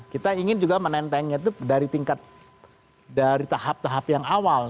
kita ingin juga menentengnya itu dari tingkat dari tahap tahap yang awal